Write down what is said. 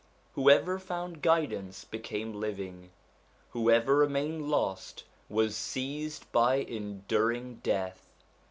Whoever found guidance became living, whoever remained lost was seized by enduring death.